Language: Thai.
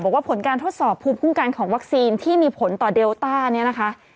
บอกว่าผลการทดสอบภูมิคุ้มกันของวัคซีนที่มีผลต่อเดลต้าเนี่ยนะคะ